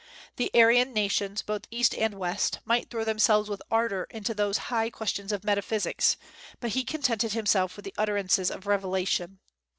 The Aryan nations, both East and West, might throw themselves with ardor into those high questions of metaphysics, but he contented himself with the utterances of revelation.